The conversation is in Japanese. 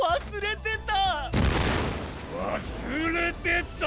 忘れてた！？